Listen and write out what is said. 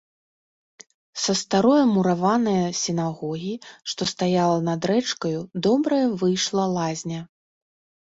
Са старое мураванае сінагогі, што стаяла над рэчкаю, добрая выйшла лазня.